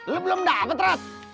lu belum dapet rat